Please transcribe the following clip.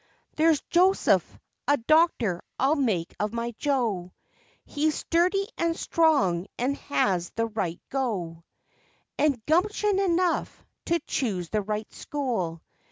There's Joseph: A doctor I'll make of my Joe, He's sturdy and strong and has the right "go," And gumption enough to choos 1 the right school.